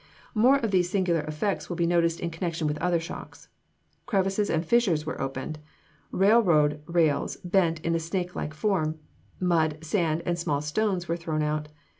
More of these singular effects will be noticed in connection with other shocks. Crevices and fissures were opened; railroad rails bent in a snake like form; mud, sand, and small stones were thrown out.